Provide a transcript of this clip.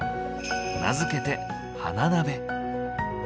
名付けて「花鍋」。